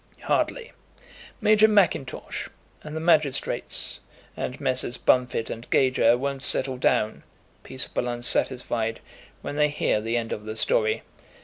"Hardly. Major Mackintosh, and the magistrates, and Messrs. Bunfit and Gager won't settle down, peaceable and satisfied, when they hear the end of the story.